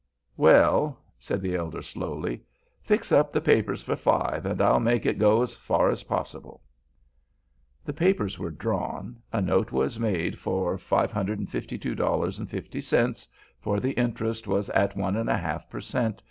"Well," said the elder, slowly, "fix up the papers for five, an' I'll make it go as far as possible." The papers were drawn. A note was made out for $552.50, for the interest was at one and a half per cent.